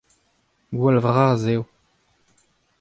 Gwall vras eo.